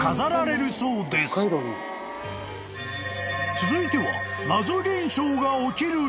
［続いては］